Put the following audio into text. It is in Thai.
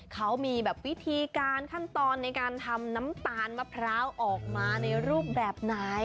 เขามีแบบวิธีการขั้นตอนในการทำน้ำตาลมะพร้าวออกมาในรูปแบบไหน